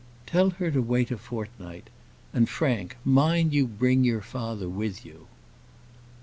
"Tell her to wait a fortnight. And, Frank, mind you bring your father with you."